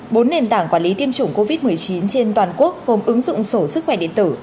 bốn nền tảng quản lý tiêm chủng covid một mươi chín trên toàn quốc gồm ứng dụng sổ sức khỏe điện tử